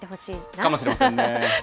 かもしれませんね。